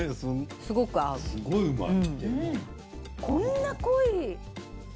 すごいうまい。